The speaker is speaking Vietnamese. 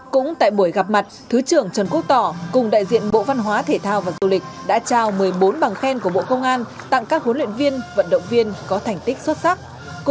cũng tại buổi gặp mặt thứ trưởng trần quốc tỏ cùng đại diện bộ văn hóa thể thao và du lịch đã trao một mươi bốn bằng khen của bộ công an tặng các huấn luyện viên vận động viên có thành tích xuất sắc